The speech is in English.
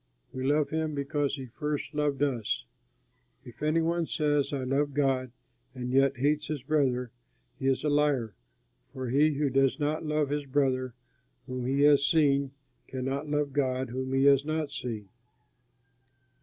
We love him because he first loved us. If any one says, "I love God," and yet hates his brother, he is a liar; for he who does not love his brother whom he has seen, cannot love God whom he has not seen.